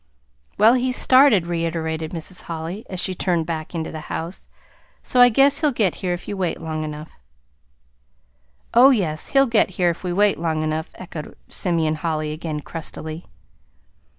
"Well, he's started," reiterated Mrs. Holly, as she turned back into the house; "so I guess he'll get here if you wait long enough." "Oh, yes, he'll get here if we wait long enough," echoed Simeon Holly again, crustily.